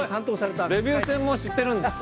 デビュー戦も知ってるんですね。